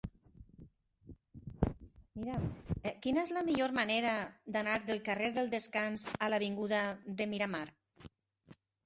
Mira'm quina és la millor manera d'anar del carrer del Descans a l'avinguda de Miramar.